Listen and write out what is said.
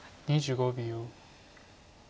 ２５秒。